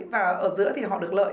và ở giữa thì họ được lợi